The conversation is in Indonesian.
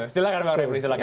silahkan bang refli silahkan